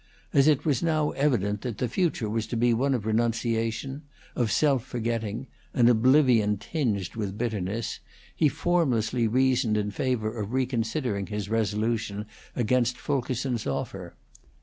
As it was now evident that the future was to be one of renunciation, of self forgetting, an oblivion tinged with bitterness, he formlessly reasoned in favor of reconsidering his resolution against Fulkerson's offer.